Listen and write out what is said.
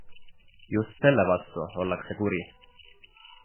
Just selle vastu ollakse kuri.